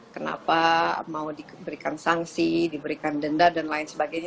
kenapa mau diberikan sanksi diberikan denda dan lain sebagainya